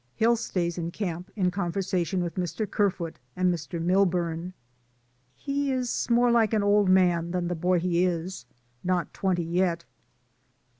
Hill stays in camp, in conversation with Mr. Kerfoot and Mr. Milburn. He is more like an old man than the boy that he is, not twenty yet.